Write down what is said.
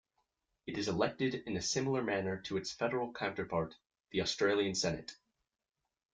It is elected in a similar manner to its federal counterpart, the Australian Senate.